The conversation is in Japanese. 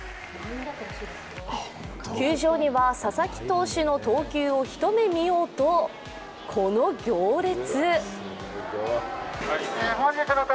球場には佐々木投手の投球を一目見ようと、この行列。